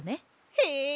へえ！